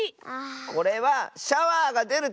これはシャワーがでるところ！